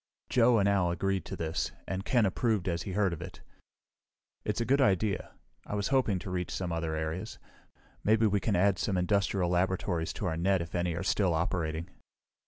Joe and Al had agreed to this, and Ken approved as he heard of it. "It's a good idea. I was hoping to reach some other areas. Maybe we can add some industrial laboratories to our net if any are still operating."